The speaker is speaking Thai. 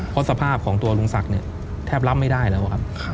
เพราะสภาพของตัวลุงศักดิ์เนี่ยแทบรับไม่ได้แล้วครับ